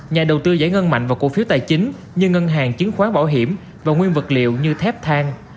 nhà đầu tư giải ngân mạnh vào cổ phiếu tài chính như ngân hàng chứng khoán bảo hiểm và nguyên vật liệu như thép thang